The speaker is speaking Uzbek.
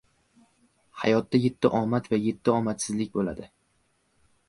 • Hayotda yetti omad va yetti omadsizlik bo‘ladi.